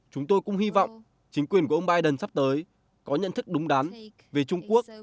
chúng tôi cũng hy vọng chính quyền của ông biden sắp tới có nhận thức đúng đắn về trung quốc